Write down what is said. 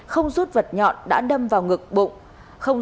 không rút vật nhọn đã đâm vào ngực bụng